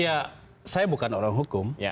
ya saya bukan orang hukum